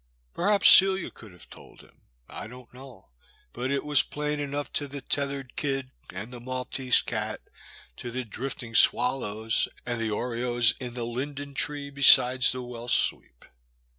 Perhaps Celia could have told him, I don't know, but it was plain enough to the tethered kid and the Maltese cat, to the drifting swallows, and the orioles in the linden tree besides the well sweep.